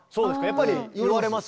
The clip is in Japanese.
やっぱり言われます？